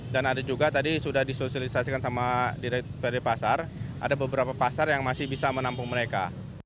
dan ada juga tadi sudah disosialisasikan sama direktur pasar ada beberapa pasar yang masih bisa menampung mereka